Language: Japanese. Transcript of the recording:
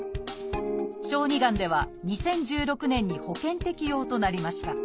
小児がんでは２０１６年に保険適用となりました。